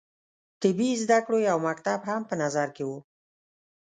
طبي زده کړو یو مکتب هم په نظر کې وو.